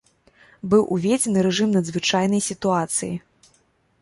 Быў уведзены рэжым надзвычайнай сітуацыі.